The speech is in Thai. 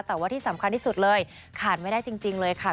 แต่ว่าที่สำคัญที่สุดเลยขาดไม่ได้จริงเลยค่ะ